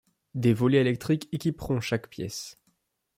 des volets électriques équiperont chaque pièce